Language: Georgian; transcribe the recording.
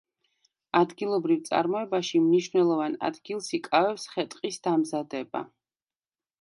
ადგილობრივ წარმოებაში მნიშვნელოვან ადგილს იკავებს ხე-ტყის დამზადება.